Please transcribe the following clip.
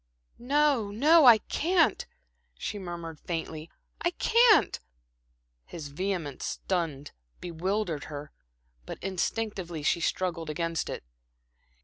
"No, no, I can't," she murmured faintly. "I can't." His vehemence stunned, bewildered her; but instinctively she struggled against it.